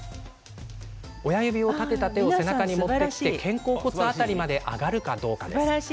親指を立てた手を背中に持っていって肩甲骨辺りまで上がるかどうかです。